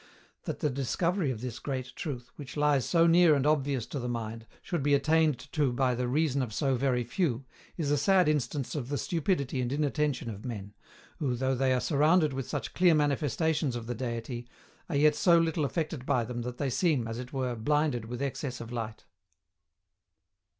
That the discovery of this great truth, which lies so near and obvious to the mind, should be attained to by the reason of so very few, is a sad instance of the stupidity and inattention of men, who, though they are surrounded with such clear manifestations of the Deity, are yet so little affected by them that they seem, as it were, blinded with excess of light.